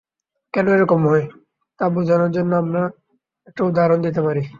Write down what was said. কেন এ রকম হয়, তা বোঝার জন্য আমরা একটা উদাহরণ দিতে পারি।